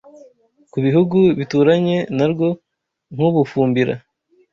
ku bihugu bituranye narwo nk’u Bufumbila